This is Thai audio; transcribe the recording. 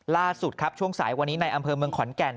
ล่าสุดครับช่วงสายวันนี้ในอำเภอเมืองขอนแก่น